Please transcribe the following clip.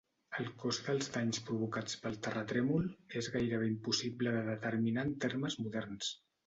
El cost dels danys provocats pel terratrèmol és gairebé impossible de determinar en termes moderns.